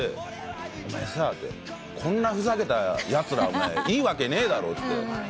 「お前さこんなふざけたやつらいいわけねえだろ」って。